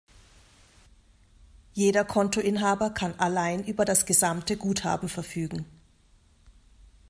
Jeder Kontoinhaber kann allein über das gesamte Guthaben verfügen.